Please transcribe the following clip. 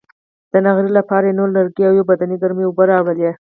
د نغري لپاره یې نور لرګي او یوه بدنۍ ګرمې اوبه راوړې.